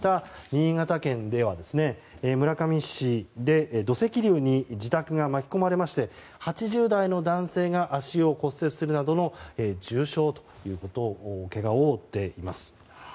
新潟県では村上市で土石流に自宅が巻き込まれまして８０代の男性が足を骨折するなどの重傷というけがを負っています。